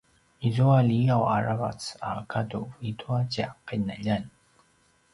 izua liyaw a ravac a gadu i tua tja qinaljan